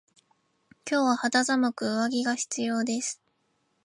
今日は肌寒く上着が必要です。